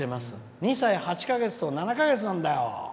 ２歳８か月と、７か月なんだよ！